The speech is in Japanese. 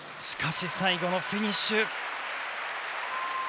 しかし、最後のフィニッシュ。